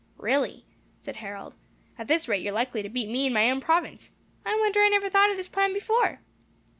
"Really," said Harold, "at this rate you are likely to beat me in my own province. I wonder I never thought of this plan before."